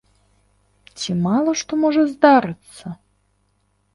Ці мала што можа здарыцца.